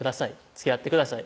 「つきあってください」